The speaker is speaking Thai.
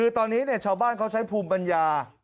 ตอนนี้เจ้าบ้านเขาใช้ภูมิปัญญา